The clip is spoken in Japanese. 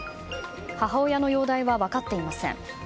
母親の容体は分かっていません。